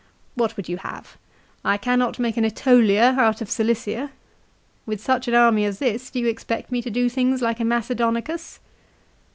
What would you have ? I cannot make an ^Etolia out of Cilicia. With such an army as this do you expect me to do things like a Macedonicus